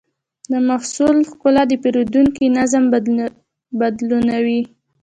د محصول ښکلا د پیرودونکي نظر بدلونوي.